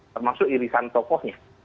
termasuk irisan tokohnya